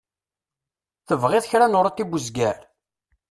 Tebɣiḍ kra n uṛuti n uzger?